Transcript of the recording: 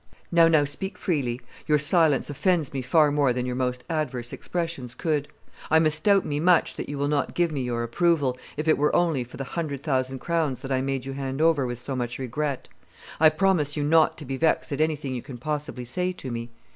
"Now, now, speak freely; your silence offends me far more than your most adverse expressions could. I misdoubt me much that you will not give me your approval, if it were only for the hundred thousand crowns that I made you hand over with so much regret; I promise you not to be vexed at anything you can possibly say to me."